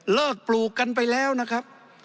ปลูกกันไปแล้วนะครับ